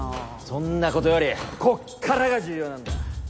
そんなことよりこっからが重要なんだ！